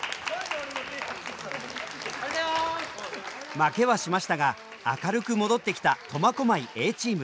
負けはしましたが明るく戻ってきた苫小牧Ａチーム。